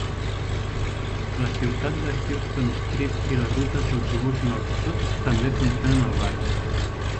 La ciutat de Houston Street i les rutes d'autobús nord-sud també funcionen al barri.